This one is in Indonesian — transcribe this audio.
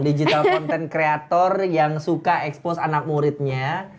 digital content creator yang suka expose anak muridnya